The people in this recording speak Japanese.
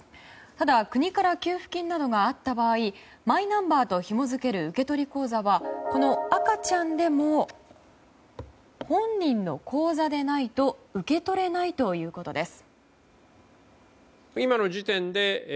ただ、国から給付金などがあった場合マイナンバーとひも付ける受取口座はこの赤ちゃんでも本人の口座でないと受け取れないということです。